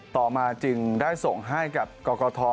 ต่อมาจึงได้ส่งให้กับกรกฐ